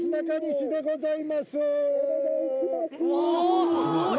すごい。